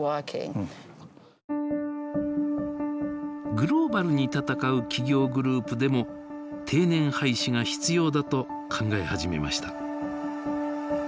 グローバルに闘う企業グループでも定年廃止が必要だと考え始めました。